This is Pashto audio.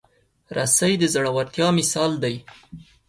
رسۍ د زړورتیا مثال دی.